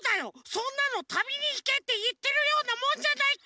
そんなの「旅にいけ」っていってるようなもんじゃないか！